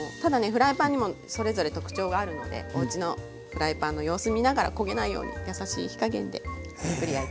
フライパンにもそれぞれ特徴があるのでおうちのフライパンの様子みながら焦げないようにやさしい火加減でじっくり焼いてあげて下さい。